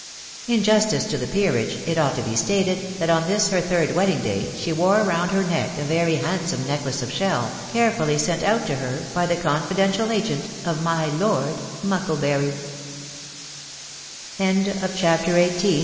In justice to the peerage, it ought to be stated, that on this her third wedding day she wore around her neck a very handsome necklace of shell, carefully sent out to her by the confidential agent of my Lord Mucklajury THE END.